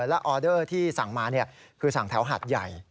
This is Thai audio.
แล้วออเดอร์ที่สั่งมาคือสั่งแถวหาดใหญ่